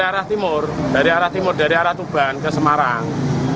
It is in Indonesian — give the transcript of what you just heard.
ini dari arah timur dari arah tuban ke semarang